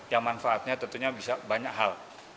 yang manfaatnya tentunya bisa banyak hal